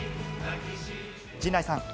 陣内さん。